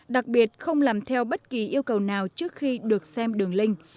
đặc biệt không làm theo bất kỳ yêu cầu nào trước khi được xem đường link